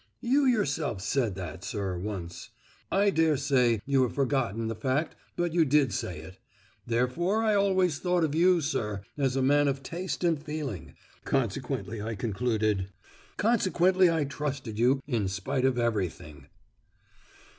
You yourself said that, sir, once. I dare say you have forgotten the fact, but you did say it. Therefore I always thought of you, sir, as a man of taste and feeling; consequently I concluded—consequently I trusted you, in spite of everything."